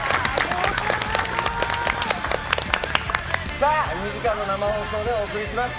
さあ、２時間の生放送でお送りします。